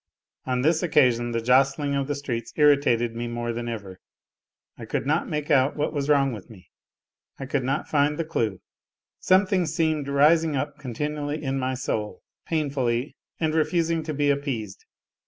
On this occasion the jostling of the streets irritated me more than ever. I could not make out what was wrong with me, I could not find the clue, something seemed rising up continually in my soul, painfully, and refusing to be appeased.